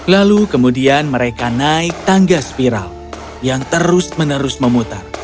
lalu kemudian mereka naik tangga spiral yang terus menerus memutar